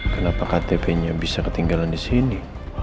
kenapa ktp nya bisa ketinggalan di sini